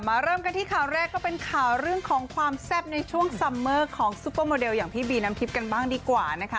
เริ่มกันที่ข่าวแรกก็เป็นข่าวเรื่องของความแซ่บในช่วงซัมเมอร์ของซุปเปอร์โมเดลอย่างพี่บีน้ำทิพย์กันบ้างดีกว่านะคะ